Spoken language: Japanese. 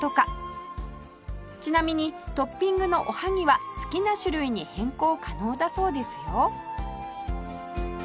ちなみにトッピングのおはぎは好きな種類に変更可能だそうですよ